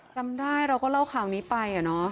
จำได้เราก็เล่าข่าวนี้ไป